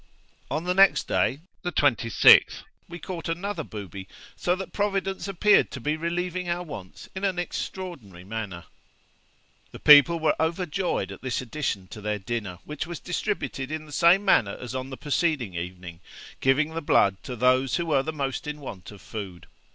'On the next day, the 26th, we caught another booby, so that Providence appeared to be relieving our wants in an extraordinary manner. The people were overjoyed at this addition to their dinner, which was distributed in the same manner as on the preceding evening; giving the blood to those who were the most in want of food.